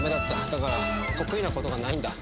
だから得意なことがないんだ。